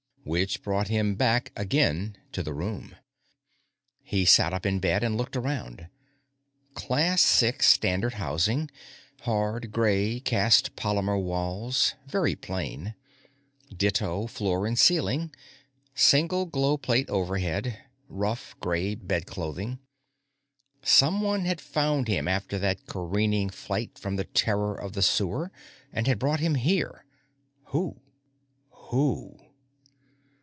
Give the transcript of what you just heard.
Which brought him back again to the room. He sat up in bed and looked around. Class Six Standard Housing. Hard, gray, cast polymer walls very plain. Ditto floor and ceiling. Single glow plate overhead. Rough, gray bedclothing. Someone had found him after that careening flight from the terror of the sewer and had brought him here. Who? _Who?